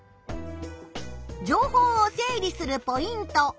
情報を整理するポイント。